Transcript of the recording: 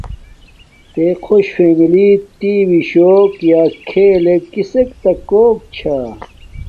تے خوش فیلمی تی وی شوک یا کیھلکا کسک تا کوک چھاہ۔